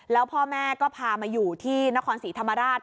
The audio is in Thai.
แล้วพ่อแม่ก็พามาอยู่ที่นครศรีธรรมราช